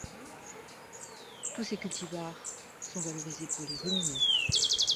Tous ces cultivars sont valorisés pour les ruminants.